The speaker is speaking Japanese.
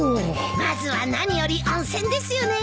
まずは何より温泉ですよね。